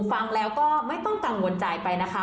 ฟังแล้วก็ไม่ต้องกังวลใจไปนะคะ